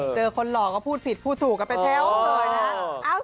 เจอคนหล่อก็พูดผิดพูดถูกกันไปเทวเลยนะ